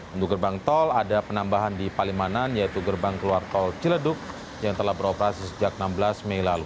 untuk gerbang tol ada penambahan di palimanan yaitu gerbang keluar tol ciledug yang telah beroperasi sejak enam belas mei lalu